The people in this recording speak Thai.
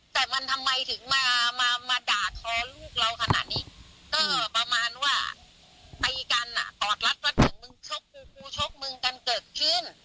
แต่มันทำไมถึงมามาด่าทอลูกเราขนาดนี้ก็ประมาณว่าตีกันอ่ะกอดรัดว่าถึงมึงชกกูกูชกมึงกันเกิดขึ้น